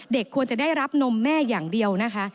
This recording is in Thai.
เด็กควรจะได้รับนมแม่อย่างเดียวนะคะ